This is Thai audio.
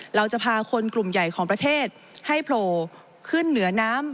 เราจะพาคนกลุ่มใหญ่ของประเทศให้โผล่ขึ้นเหนือน้ำ